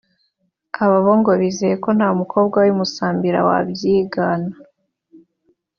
Aba bo ngo bizeye ko nta mukobwa w’i Musambira wabyigana